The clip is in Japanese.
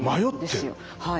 はい。